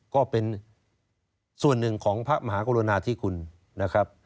ก็เป็นส่วนหนึ่งของพระมหากรุณาธิคุณนะครับ